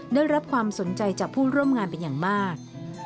ได้รับความสนใจจากผู้ร่วมงานเป็นอย่างมาก